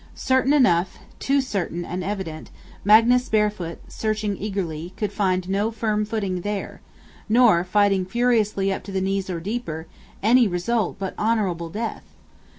Certain enough, too certain and evident, Magnus Barefoot, searching eagerly, could find no firm footing there; nor, fighting furiously up to the knees or deeper, any result but honorable death!